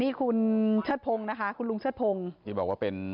นี่คุณเชิดพงศ์นะคะคุณลุงเชิดพงศ์ที่บอกว่าเป็น